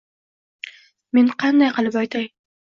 Men qanday qilib aytay?